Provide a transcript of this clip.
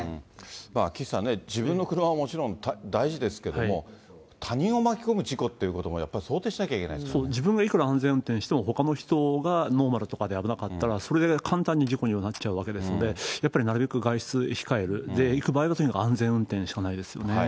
まあ岸さんね、自分の車ももちろん大事ですけれども、他人を巻き込む事故っていうこともやっぱり想定しなきゃいけないですか自分がいくら安全運転しても、ほかの人がノーマルとかで危なかったら、それで簡単に事故にはなっちゃうわけですし、やっぱりなるべく外出控える、行く場合は安全運転しかないですよね。